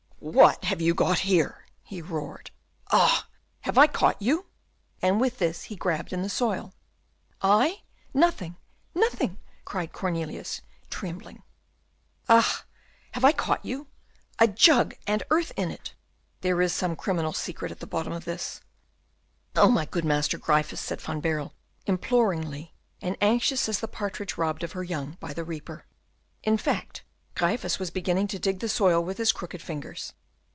"What have you got here?" he roared. "Ah! have I caught you?" and with this he grabbed in the soil. "I? nothing, nothing," cried Cornelius, trembling. "Ah! have I caught you? a jug and earth in it There is some criminal secret at the bottom of all this." "Oh, my good Master Gryphus," said Van Baerle, imploringly, and anxious as the partridge robbed of her young by the reaper. In fact, Gryphus was beginning to dig the soil with his crooked fingers.